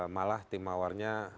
malah tim mawarnya